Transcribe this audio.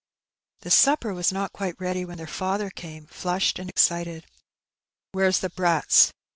The supper was not quite ready when their fother came flushed and excited. " Where's the brats